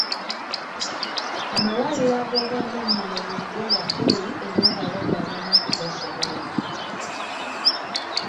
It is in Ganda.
Amalwaliro ag'obwannannyini bulijjo ga bbeeyi eri abalwadde abamu okugasobola.